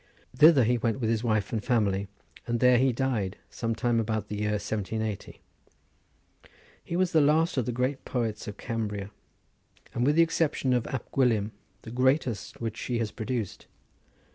Thither he went with his wife and family, and there he died sometime about the year 1780. He was the last of the great poets of Cambria, and with the exception of Ab Gwilym, the greatest which she has produced.